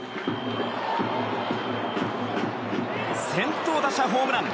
先頭打者ホームラン。